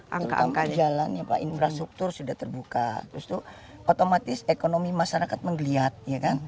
terutama jalan ya pak infrastruktur sudah terbuka terus itu otomatis ekonomi masyarakat menggeliat ya kan